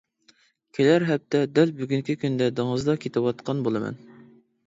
كېلەر ھەپتە دەل بۈگۈنكى كۈندە دېڭىزدا كېتىۋاتقان بولىمەن.